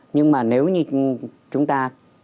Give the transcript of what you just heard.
nhưng mà nếu như chúng ta